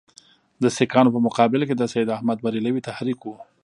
د سیکهانو په مقابل کې د سید احمدبرېلوي تحریک وو.